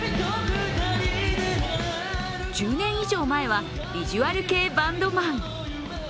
１０年以上前はビジュアル系バンドマン。